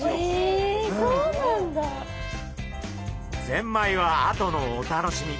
ゼンマイは後のお楽しみ。